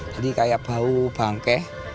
jadi seperti bau bangkeh